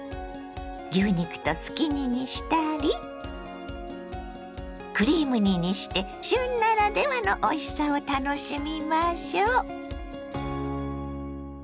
牛肉とすき煮にしたりクリーム煮にして旬ならではのおいしさを楽しみましょ。